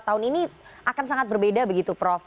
tahun ini akan sangat berbeda begitu prof